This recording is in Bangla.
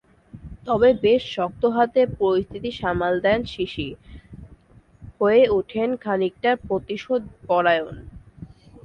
তবে বেশ শক্ত হাতে পরিস্থিতি সামাল দেন সিসি, হয়ে ওঠেন খানিকটা প্রতিশোধপরায়ণ।